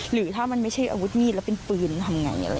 หรือถ้ามันไม่ใช่อาวุธมีดแล้วเป็นปืนทำยังไงอะไรเงี้ย